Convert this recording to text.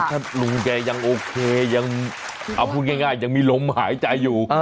ถ้าลุงแกยังโอเคยังเอาพูดง่ายยังมีลมหายใจอยู่